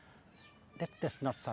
itu tidak menyenangkan